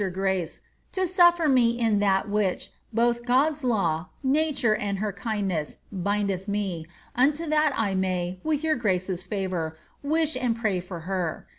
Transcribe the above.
besAooh jour grace to suffer me in that which both God's law, natare, and her kindness, bindeth me, unto that I may (with your grace's favour) wjdh and pray for het.